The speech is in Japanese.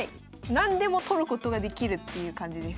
何でも取ることができるっていう感じです。